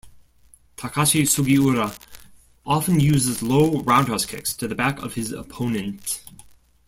Takashi Sugiura often uses low roundhouse kicks to the back of his opponent.